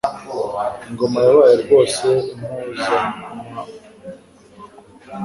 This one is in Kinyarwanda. Ingoma yabaye rwose impuza-mbaga